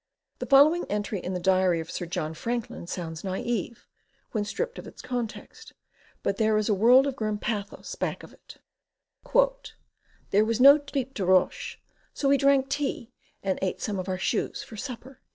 The following entry in the diary of Sir John Franklin sounds naive, when stripped of its context, but there is a world of grim pathos back of it: "There was no tri'pe de roche, so we drank tea and ate some of our shoes for supper."